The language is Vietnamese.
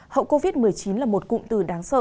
hậu covid một mươi chín là một cụm từ đáng sợ